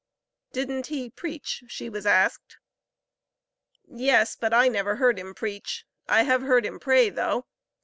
Didn't he preach? she was asked. "Yes, but I never heard him preach; I have heard him pray though.